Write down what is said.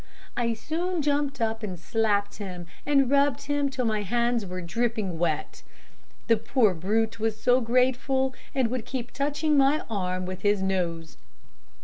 I soon jumped up and slapped him, and rubbed him till my hands were dripping wet. The poor brute was so grateful and would keep touching my arm with his nose.